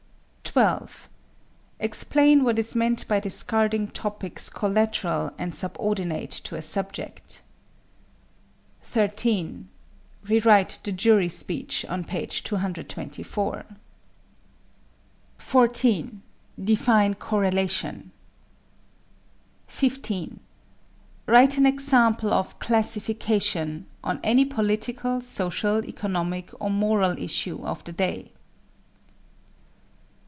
12. Explain what is meant by discarding topics collateral and subordinate to a subject. 13. Rewrite the jury speech on page 224. 14. Define correlation. 15. Write an example of "classification," on any political, social, economic, or moral issue of the day.